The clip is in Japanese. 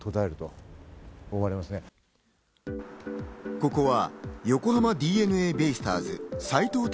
ここは横浜ＤｅＮＡベイスターズ・斎藤隆